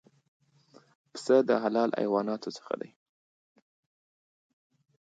پسه د حلال حیواناتو څخه دی.